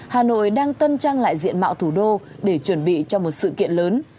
hà nội đang tân trang lại diện mạo thủ đô để chuẩn bị cho một sự kiện lớn